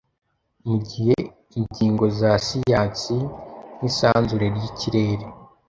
Mu gihe ingingo za siyansi nk'isanzure ry'ikirere